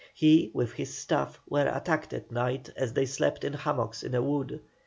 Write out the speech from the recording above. He, with his staff, were attacked at night as they slept in hammocks in a wood.